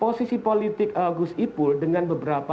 posisi politik gus ipul dengan beberapa